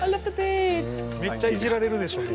めっちゃいじられるでしょうね